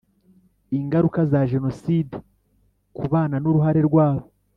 Ingaruka za Jenoside ku bana n uruhare rwabo